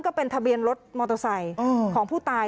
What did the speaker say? ก็เป็นทะเบียนรถมอเตอร์ไซค์ของผู้ตาย